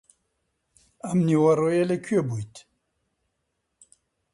ئەم نیوەڕۆیە لەکوێ بوویت؟